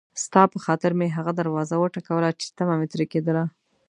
ستا په خاطر مې هغه دروازه وټکوله چې طمعه مې ترې کېدله.